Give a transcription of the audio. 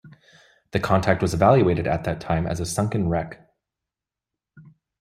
The contact was evaluated at that time as a sunken wreck.